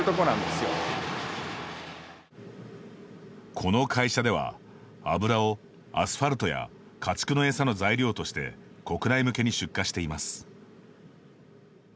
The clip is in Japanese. この会社では油をアスファルトや家畜の餌の材料として国内向けに出荷しています。